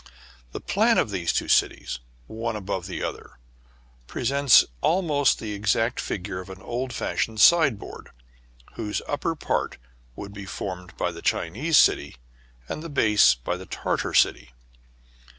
The plan of these two cities, one above the other, presents almost the exact figure of an old fashioned sideboard, whose upper part would be formed by the Chinese city, and the base by the Tartar city.